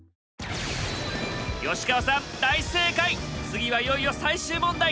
次はいよいよ最終問題。